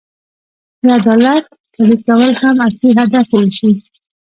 د عدالت پلي کول هم اصلي هدف واوسي.